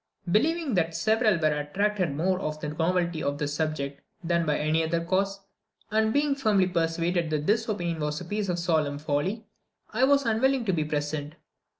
Believing that several were attracted more by the novelty of the subject than by any other cause, and being firmly persuaded that this opinion was a piece of solemn folly, I was unwilling to be present.